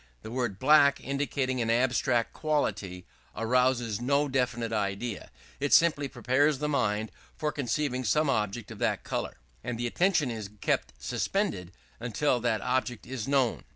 The word "black," indicating an abstract quality, arouses no definite idea. It simply prepares the mind for conceiving some object of that colour; and the attention is kept suspended until that object is known.